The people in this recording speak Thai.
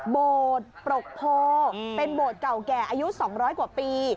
โบสถ์ปรกโพเป็นโบสถ์เก่าแก่อายุ๒๐๐กว่าปี